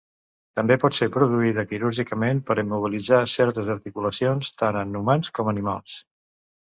També pot ser produïda quirúrgicament per immobilitzar certes articulacions, tant en humans com animals.